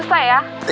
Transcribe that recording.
saya mau pesen kue